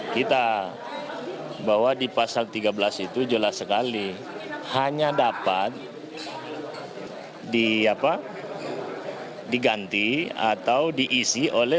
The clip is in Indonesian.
kita bahwa di pasal tiga belas itu jelas sekali hanya dapat diganti atau diisi oleh